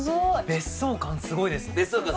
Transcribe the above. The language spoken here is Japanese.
別荘感すごいでしょ？